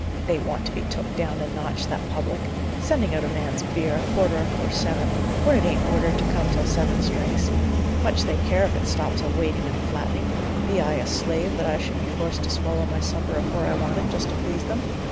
"They want to be took down a notch, that public sending out a man's beer a quarter afore seven, when it ain't ordered to come till seven strikes. Much they care if it stops a waiting and flattening! Be I a slave, that I should be forced to swallow my supper afore I want it, just to please them?